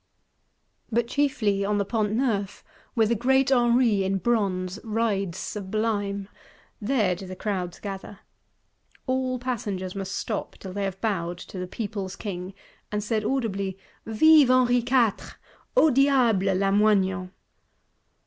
But chiefly on the Pont Neuf, where the Great Henri, in bronze, rides sublime; there do the crowds gather. All passengers must stop, till they have bowed to the People's King, and said audibly: _Vive Henri Quatre; au diable Lamoignon!